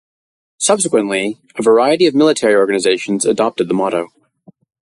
Subsequently, a variety of military organisations adopted the motto.